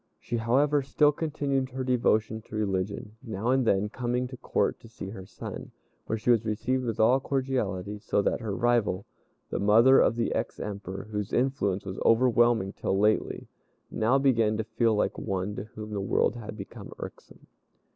She, however, still continued her devotion to religion, now and then coming to Court to see her son, where she was received with all cordiality; so that her rival, the mother of the ex Emperor, whose influence was overwhelming till lately, now began to feel like one to whom the world had become irksome.